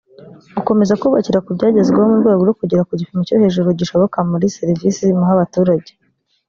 gukomeza kubakira ku byagezweho mu rwego rwo kugera ku gipimo cyo hejuru gishoboka muri serivisi muha abaturage